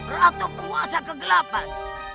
ratu puasa kegelapan